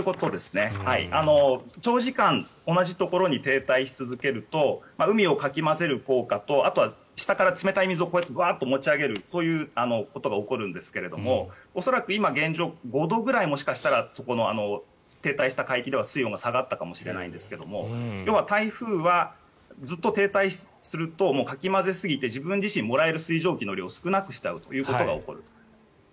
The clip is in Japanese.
長時間、同じところに停滞し続けると海をかき混ぜる効果とあとは下から冷たい水を持ち上げるそういうことが起こるんですが恐らく今、現状、５度くらいもしかしたらそこの停滞した海域では水温が下がったかもしれないんですが要は、台風はずっと停滞するとかき混ぜすぎて自分自身がもらえる水蒸気の量を少なくしちゃうということが起こる。